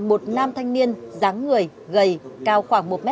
một nam thanh niên dáng người gầy cao khoảng một m